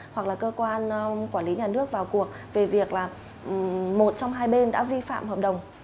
hoặc là cơ quan quản lý nhà nước vào cuộc về việc là một trong hai bên đã vi phạm hợp đồng